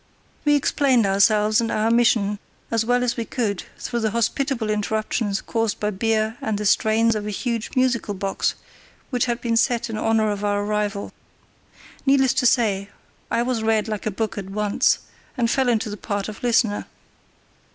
We explained ourselves and our mission as well as we could through the hospitable interruptions caused by beer and the strains of a huge musical box, which had been set going in honour of our arrival. Needless to say, I was read like a book at once, and fell into the part of listener.